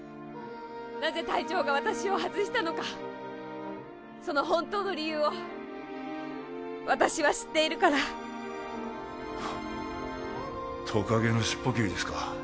なぜ隊長が私を外したのかその本当の理由を私は知っているからトカゲの尻尾切りですか